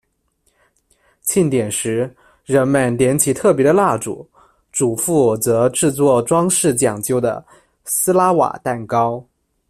庆典时，人们点起特别的蜡烛，主妇则制作装饰讲究的斯拉瓦蛋糕。